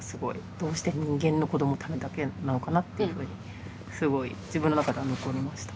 「どうして人間の子どものためだけなのかな」っていうふうにすごい自分の中では残りました。